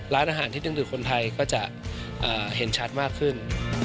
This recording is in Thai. ร้านอาหารที่ดึงดูดคนไทยก็จะเห็นชัดมากขึ้น